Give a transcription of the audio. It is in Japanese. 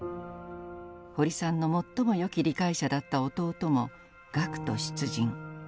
堀さんの最もよき理解者だった弟も学徒出陣。